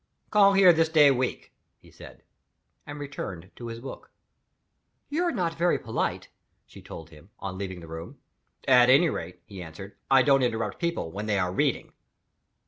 "Call here this day week," he said and returned to his book. "You are not very polite," she told him, on leaving the room. "At any rate," he answered, "I don't interrupt people when they are reading."